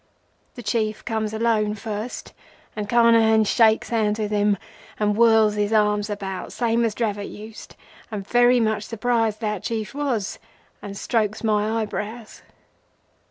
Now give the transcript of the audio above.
The Chief comes alone first, and Carnehan shakes hands with him and whirls his arms about, same as Dravot used, and very much surprised that Chief was, and strokes my eyebrows.